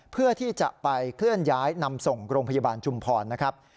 เพื่อที่จะไปเคลื่อนย้ายนำส่งโรงพยาบาลชุมพรนะครับ